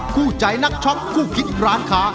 คู่ใจนักช็อคคู่คิดร้านค้า